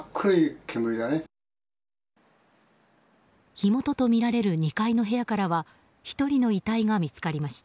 火元とみられる２階の部屋からは１人の遺体が見つかりました。